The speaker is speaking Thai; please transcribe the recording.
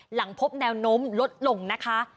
หลังพบแนวโน้มลดลงนะคะ